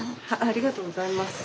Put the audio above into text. ありがとうございます。